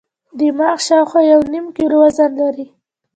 دماغ شاوخوا یو نیم کیلو وزن لري.